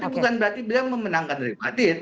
bukan berarti beliau memenangkan real madrid